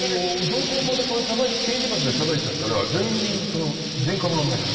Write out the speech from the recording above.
道交法でこれを刑事罰で裁いちゃったら全員前科者になるわけですよ。